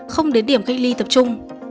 không đến điểm cách ly tập trung